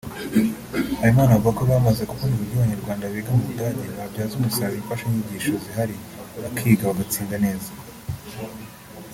Habimana avuga ko bamaze kubona uburyo Abanyarwanda biga mu Budage babyaza umusaruro imfashanyigisho zihari bakiga bagatsinda neza